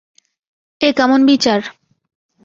এ কেমন বিচার!